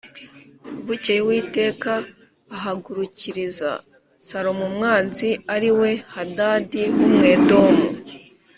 Bukeye Uwiteka ahagurukiriza Salomo umwanzi ari we Hadadi w’Umwedomu